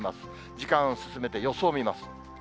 時間を進めて予想を見ます。